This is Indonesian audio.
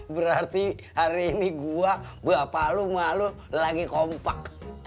berarti hari ini gua bapak lu emak lu lagi kompak